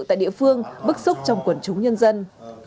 tại địa phương bức xúc trong quần chúng nhân dân